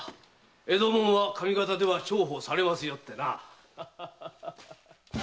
江戸ものは上方で重宝されますよってな。